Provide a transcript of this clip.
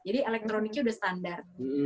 jadi elektroniknya udah standar